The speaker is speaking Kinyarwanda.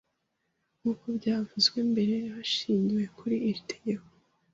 nkuko byavuzwe mbere Hashingiwe kuri iri tegeko